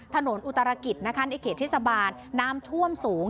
ถนนอุตรกิจในเขตธิสบานน้ำท่วมสูง